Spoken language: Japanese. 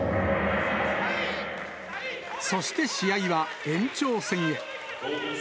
そして、試合は延長戦へ。